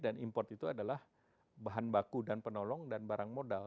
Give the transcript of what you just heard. dan import itu adalah bahan baku dan penolong dan barang modal